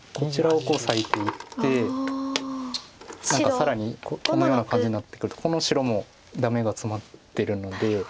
更にこのような感じになってくるとこの白もダメがツマってるので。